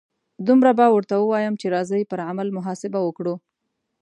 دومره به ورته ووایم چې راځئ پر عمل محاسبه وکړو.